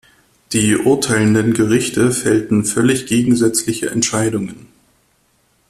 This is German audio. Die urteilenden Gerichte fällten völlig gegensätzliche Entscheidungen.